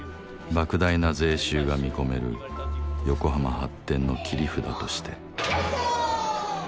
莫大な税収が見込める横浜発展の切り札として。